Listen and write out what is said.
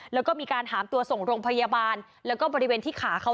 แล้วก็มีการหามตัวส่งโรงพยาบาลแล้วก็บริเวณที่ขาเขา